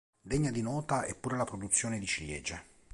Degna di nota è pure la produzione di ciliegie.